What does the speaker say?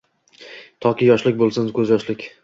Toki yoshlik bo‘lsin ko‘zyoshlik